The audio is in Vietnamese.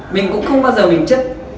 mình cũng không bao giờ mình chất